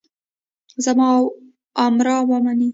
زما اوامر ومنئ.